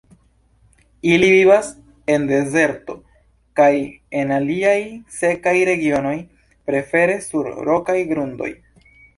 Ili vivas en dezerto kaj en aliaj sekaj regionoj, prefere sur rokaj grundoj.